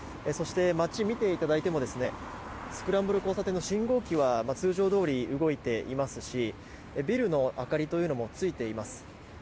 そして、街を見てもスクランブル交差点の信号機は通常どおり動いていますしビルの明かりというのもついています。